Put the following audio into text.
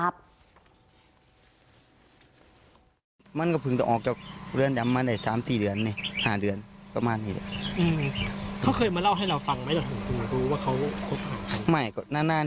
ทำไหนเขาเป็นคนนี้หรือเปล่ากัน